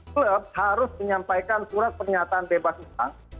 klub harus menyampaikan surat pernyataan bebas utang